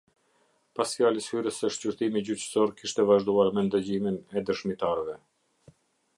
Pas fjalës hyrëse shqyrtimi gjyqësorë kishte vazhduar me ndëgjimin e dëshmitarve.